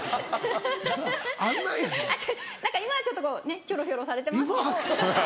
今はちょっとこうねっひょろひょろされてますけど。